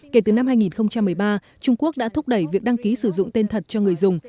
kể từ năm hai nghìn một mươi ba trung quốc đã thúc đẩy việc đăng ký sử dụng tên thật cho người dùng